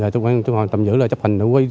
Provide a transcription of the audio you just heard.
chúng tôi tạm giữ là chấp hành nữ huy